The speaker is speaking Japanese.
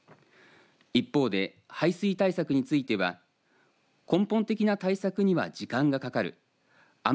一方で排水対策については根本的な対策には時間がかかる。